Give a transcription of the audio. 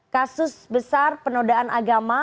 kasus besar penodaan agama